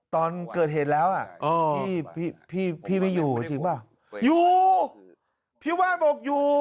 ตอนเกิดเหตุแล้วอ่ะพี่พี่ไม่อยู่จริงป่ะอยู่พี่วาดบอกอยู่